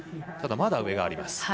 ただ、まだ上があります。